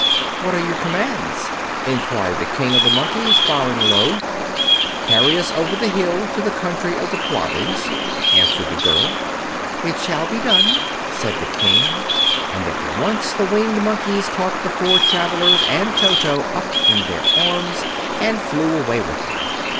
"What are your commands?" inquired the King of the Monkeys, bowing low. "Carry us over the hill to the country of the Quadlings," answered the girl. "It shall be done," said the King, and at once the Winged Monkeys caught the four travelers and Toto up in their arms and flew away with them.